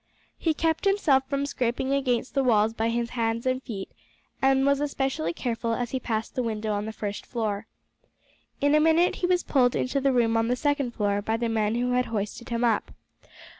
He kept himself from scraping against the walls by his hands and feet, and was especially careful as he passed the window on the first floor. In a minute he was pulled into the room on the second floor by the men who had hoisted him up.